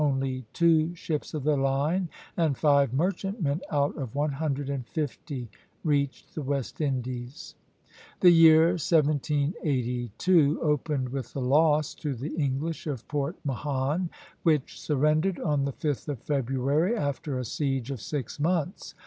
Only two ships of the line and five merchantmen out of one hundred and fifty reached the West Indies. The year 1782 opened with the loss to the English of Port Mahon, which surrendered on the 5th of February, after a siege of six months.